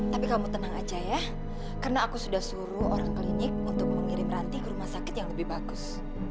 tapi kamu tenang aja ya karena aku sudah suruh orang klinik untuk mengirim ranti ke rumah sakit yang lebih bagus